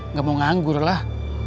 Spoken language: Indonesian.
nggak mau nganggur lah